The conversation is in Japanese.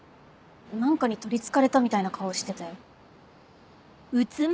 何かに取りつかれたみたいな顔してたよ。